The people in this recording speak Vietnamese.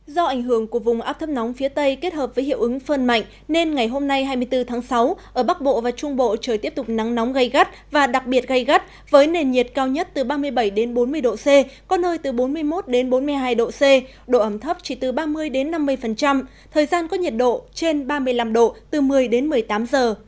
do ảnh hưởng của vùng áp thấp nóng phía tây kết hợp với hiệu ứng phơn mạnh nên ngày hôm nay hai mươi bốn tháng sáu ở bắc bộ và trung bộ trời tiếp tục nắng nóng gây gắt và đặc biệt gây gắt với nền nhiệt cao nhất từ ba mươi bảy bốn mươi độ c có nơi từ bốn mươi một bốn mươi hai độ c độ ấm thấp chỉ từ ba mươi năm mươi thời gian có nhiệt độ trên ba mươi năm độ từ một mươi một mươi tám giờ